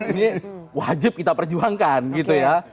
ini wajib kita perjuangkan gitu ya